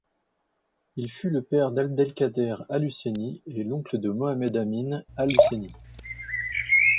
Il fut le père d'Abdel Kader al-Husseini et l'oncle de Mohammed Amin al-Husseini.